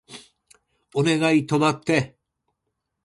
お願い止まって